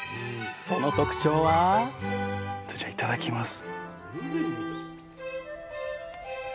その特徴はそれじゃあいただきます。